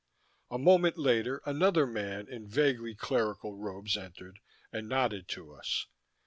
A moment later, another man in vaguely clerical robes entered and nodded to us.